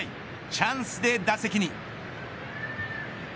チャンスで打席に。